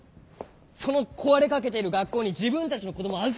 その壊れかけている学校に自分たちの子どもを預けるんですよ。